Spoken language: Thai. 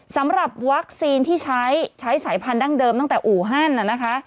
สำหรับวัคซีนที่ใช้ใช้สายพันธั้งเดิมตั้งแต่อู่ฮั่นนะคะ